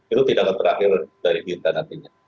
itu tidak akan terakhir dari kita nantinya